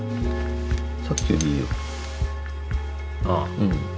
ああ。